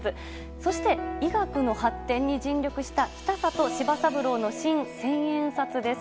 そして、医学の発展に尽力した北里柴三郎の新千円札です。